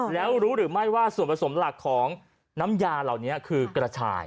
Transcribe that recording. แล้วรู้หรือไม่ว่าส่วนผสมหลักของน้ำยาเหล่านี้คือกระชาย